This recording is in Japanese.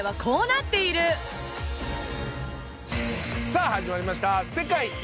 さあ始まりました。